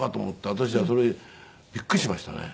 私はそれびっくりしましたね。